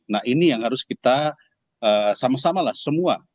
nah ini yang harus kita sama sama lah semua